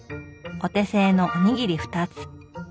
お手製のおにぎり２つ。